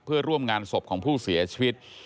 เพื่อร่วมงานศพของผู้เสียชีวิต